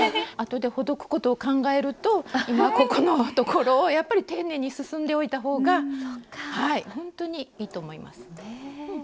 あとでほどくことを考えると今ここのところをやっぱり丁寧に進んでおいた方が本当にいいと思います。